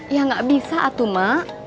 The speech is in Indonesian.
ya gak bisa atuh mak